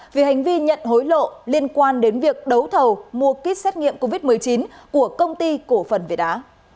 vì hành vi nhận hối lộ liên quan đến việc đấu thầu mua kit xét nghiệm covid một mươi chín của công ty cổ phần việt á